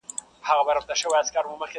چي مي ښکار وي په هر ځای کي پیداکړی،